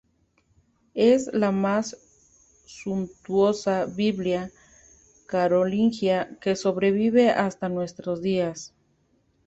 Es la más suntuosa Biblia Carolingia que sobrevive hasta nuestros días.